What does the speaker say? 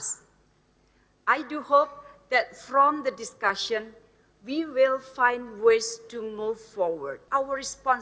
saya berharap dari perbincangan ini kita akan menemukan cara untuk bergerak ke depan